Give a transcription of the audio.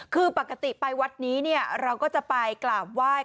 คือปกติไปวัดนี้เราก็จะไปกล่าวไหว้